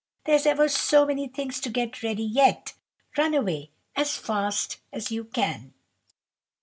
There's ever so many things to get ready yet. Run away as fast as you can."